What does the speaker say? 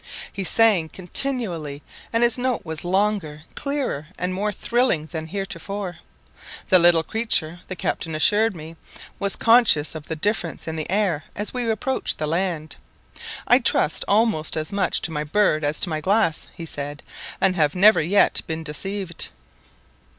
He sang continually, and his note was longer, clearer, and more thrilling than heretofore; the little creature, the captain assured me, was conscious of the difference in the air as we approached the land. "I trust almost as much to my bird as to my glass," he said, "and have never yet been deceived."